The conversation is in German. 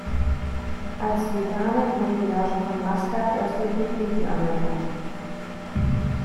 Als Sultane wurden die Herrscher von Maskat erst durch die Briten anerkannt.